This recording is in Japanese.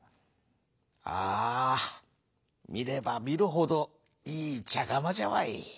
「ああみればみるほどいいちゃがまじゃわい。